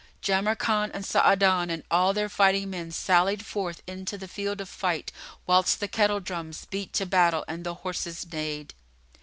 Jamrkan and Sa'adan and all their fighting men sallied forth into the field of fight whilst the kettle drums beat to battle and the horses neighed.